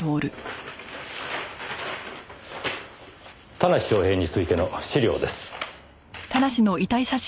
田無昌平についての資料です。